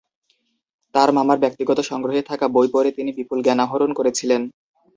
তার মামার ব্যক্তিগত সংগ্রহে থাকা বই পড়ে তিনি বিপুল জ্ঞান আহরণ করেছিলেন।